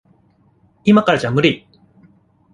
いまからじゃ無理。